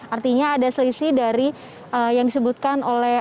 artinya ada selisih dari yang disebutkan oleh